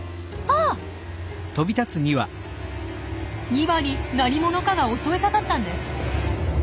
２羽に何者かが襲いかかったんです。